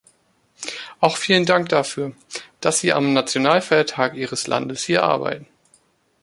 Auch vielen Dank dafür, dass Sie am Nationalfeiertag Ihres Landes hier arbeiten.